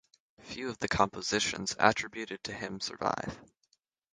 Few of the compositions attributed to him survive.